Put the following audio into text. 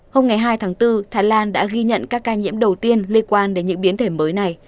hôm ngày hai tháng bốn thái lan đã ghi nhận các ca nhiễm đầu tiên liên quan đến những biến thể mới này